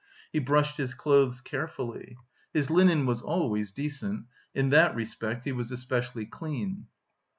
He brushed his clothes carefully. His linen was always decent; in that respect he was especially clean.